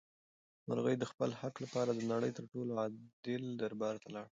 مرغۍ د خپل حق لپاره د نړۍ تر ټولو عادل دربار ته لاړه.